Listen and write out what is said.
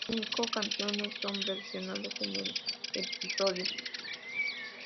Cinco canciones son versionadas en el episodio.